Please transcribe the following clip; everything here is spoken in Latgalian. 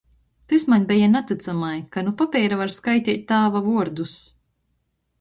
Tys maņ beja natycamai, ka nu papeira var skaiteit tāva vuordus.